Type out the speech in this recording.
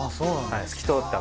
透き通った。